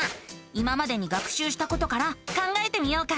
今までに学しゅうしたことから考えてみようか。